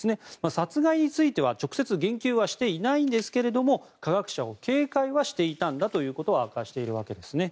殺害については直接言及はしていないんですが科学者を警戒はしていたんだということを明かしているわけですね。